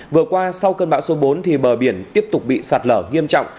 vừa qua sau cơn bão số bốn thì bờ biển tiếp tục bị sạt lở nghiêm trọng